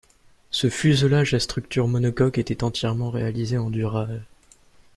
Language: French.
Ce fuselage à structure monocoque était entièrement réalisé en dural.